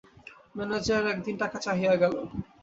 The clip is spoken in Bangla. ম্যানেজার একদিন টাকা চাহিয়া গেল।